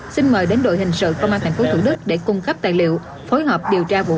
xin mời đến đội hình sự công an tp thủ đức để cung cấp tài liệu phối hợp điều tra vụ án